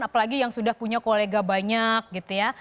apalagi yang sudah punya kolega banyak gitu ya